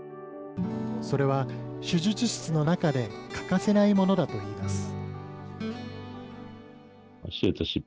それは手術室の中で欠かせないものだといいます。